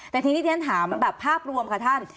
แต่ทีนี้เรียนถามแบบภาพรวมค่ะท่าน